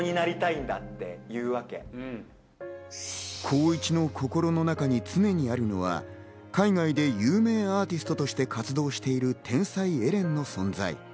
光一の心の中に常にあるのは海外で有名アーティストとして活動している天才エレンの存在・